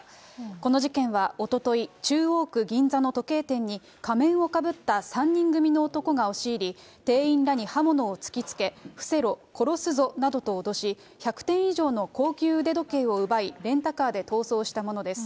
この事件はおととい、中央区銀座の時計店に仮面をかぶった３人組の男が押し入り、店員らに刃物を突きつけ、伏せろ、殺すぞなどと脅し、１００点以上の高級腕時計を奪い、レンタカーで逃走したものです。